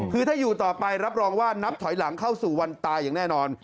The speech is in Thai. คือถ้าอยู่ต่อไปรับรองว่านับถอยหลังเข้าสู่วันตายอย่างแน่นอน